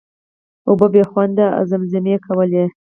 او په خوند یې زمزمې کولې.